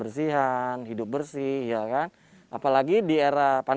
saya hidup sehari hari di teater